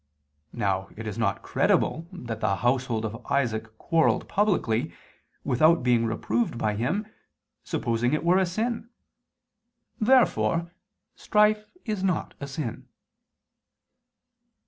Now it is not credible that the household of Isaac quarrelled publicly, without being reproved by him, supposing it were a sin. Therefore strife is not a sin.